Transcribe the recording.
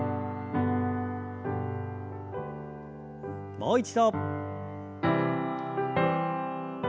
もう一度。